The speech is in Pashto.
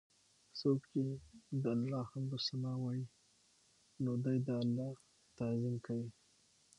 څوک چې د الله حمد او ثناء وايي، نو دی د الله تعظيم کوي